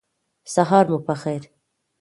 سهار مو پخیر